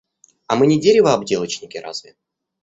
А мы не деревообделочники разве?